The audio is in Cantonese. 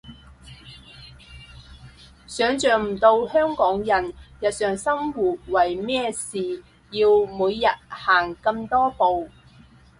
想像唔到香港人日常生活為咩事要每日行咁多步